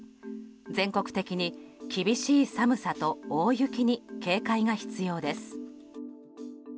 全国的に厳しい寒さと大雪に警戒が必要です。